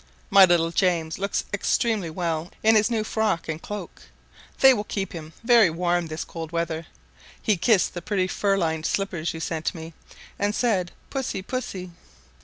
My little James looks extremely well in his new frock and cloak; they will keep him very warm this cold weather: he kissed the pretty fur lined slippers you sent me, and said, "Pussy, pussy."